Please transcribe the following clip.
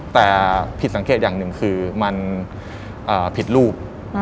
แต่ผิดสังเกตอย่างหนึ่งคือมันผิดรูป